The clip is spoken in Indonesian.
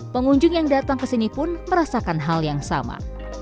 pengunjung yang datang ke sini pun merasakan hal yang sama